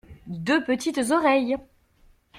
Deux petites oreilles.